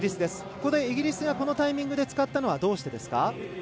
ここでイギリスがこのタイミングで使ったのはどうしてですか。